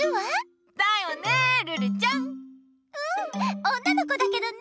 うん女の子だけどね。